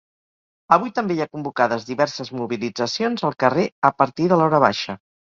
Avui també hi ha convocades diverses mobilitzacions al carrer a partir de l’horabaixa.